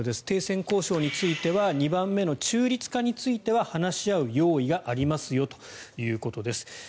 停戦交渉については２番目の中立化については話し合う用意がありますよということです。